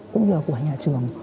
cũng như là của nhà trường